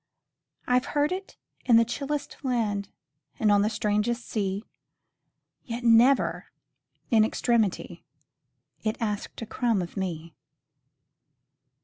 I 've heard it in the chillest land, And on the strangest sea; Yet, never, in extremity, It asked a crumb of me.